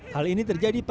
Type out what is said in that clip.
hal ini terjadi percaya